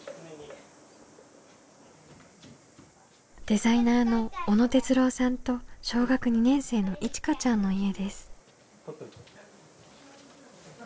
デザイナーの小野哲郎さんと小学２年生のいちかちゃんの家です。